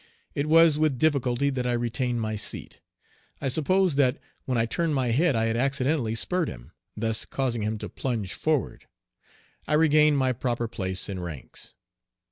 It was with difficulty that I retained my seat. I supposed that when I turned my head I had accidentally spurred him, thus causing him to plunge forward. I regained my proper place in ranks.